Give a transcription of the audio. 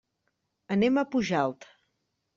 Anem a Pujalt.